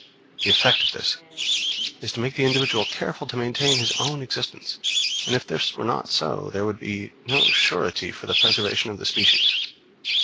The effect of this is to make the individual careful to maintain his own existence; and if this were not so, there would be no surety for the preservation of the species.